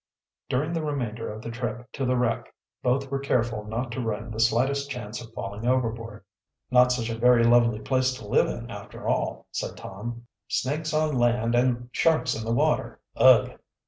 During the remainder of the trip to the wreck both were careful not to run the slightest chance of falling overboard. "Not such a very lovely place to live in, after all," said Tom. "Snakes on land and sharks in the water, ugh!"